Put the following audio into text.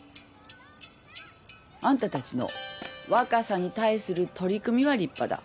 あんたたちの若さに対する取り組みは立派だ。